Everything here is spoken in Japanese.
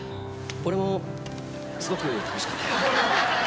俺もすごく楽しかったよ。